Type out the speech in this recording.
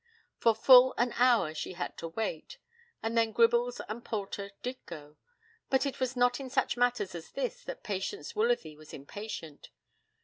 For full an hour she had to wait, and then Gribbles and Poulter did go. But it was not in such matters as this that Patience Woolsworthy was impatient.